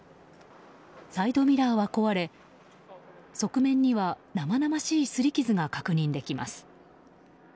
サイドミラーは壊れ、側面には生々しい擦り傷が確認できます。